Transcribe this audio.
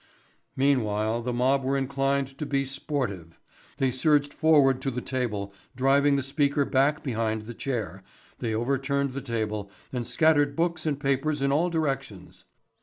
Meanwhile the mob were inclined to be sportive. They surged forward to the table driving the Speaker back behind the chair, they overturned the table and scattered books and papers in all directions.